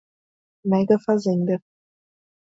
Mega fazenda